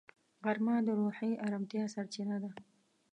غرمه د روحي ارامتیا سرچینه ده